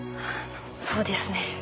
そうですね。